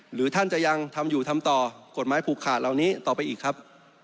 หรือท่านจะยังทำอยู่ทำต่อกฎหมายผูกขาดเหล่านี้ต่อไปอีกครับ